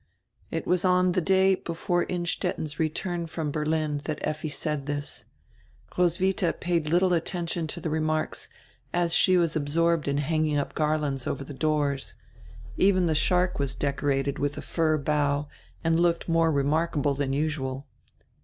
It was on die day before Innstetten's return from Berlin diat Effi said diis. Roswitha paid little attention to die remarks, as she was absorbed in hanging up garlands over die doors. Even die shark was decorated widi a fir bough and looked more remarkable dian usual.